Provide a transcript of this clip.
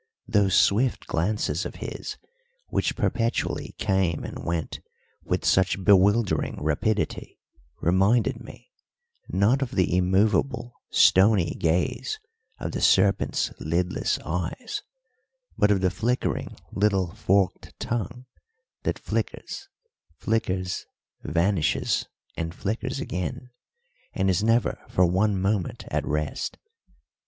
Those swift glances of his, which perpetually came and went with such bewildering rapidity, reminded me, not of the immovable, stony gaze of the serpent's lidless eyes, but of the flickering little forked tongue, that flickers, flickers, vanishes and flickers again, and is never for one moment at rest.